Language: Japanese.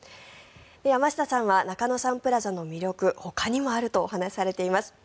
山下さんは中野サンプラザの魅力ほかにもあるとお話しされています。